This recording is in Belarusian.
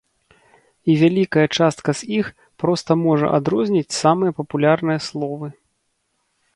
І вялікая частка з іх проста можа адрозніць самыя папулярныя словы.